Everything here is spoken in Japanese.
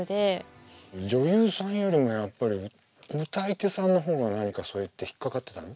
女優さんよりもやっぱり歌い手さんの方が何かそうやって引っ掛かってたの？